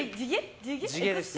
地毛です。